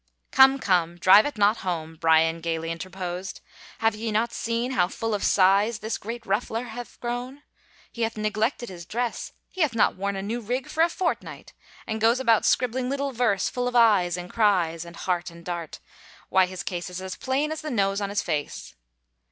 " Come, come — drive it not home," Bryan gayly inter posed. " Have ye not seen how full of sighs this great ruffler hath grown! He hath neglected his dress — he hath not worn a new rig for a fortnight — and goes about scribbling little verse full of eyes and cries, and heart and dart. Why, his case is as plain as the nose on his face